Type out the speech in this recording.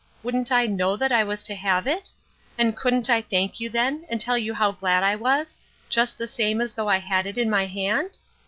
Wouldn't I know that I was to have it? And couldn't I thank you then, and tell you how glad I was, just the same as though I had it in my hand?